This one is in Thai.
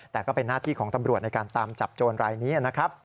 แต่ก็เป็นหน้าที่ของตำรวจในการตามจับโจรรายนี้นะครับ